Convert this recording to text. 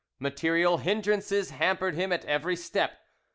Material hindrances hampered him at every step.